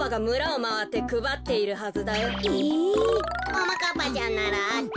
ももかっぱちゃんならあっち。